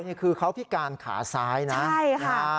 นี่คือเขาพิการขาซ้ายนะ